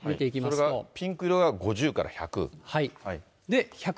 それがピンク色が５０から１００。